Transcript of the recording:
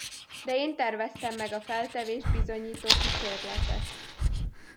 De én terveztem meg a feltevést bizonyító kísérletet!